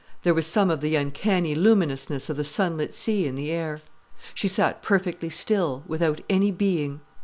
There was some of the uncanny luminousness of the sunlit sea in the air. She sat perfectly still, without any being.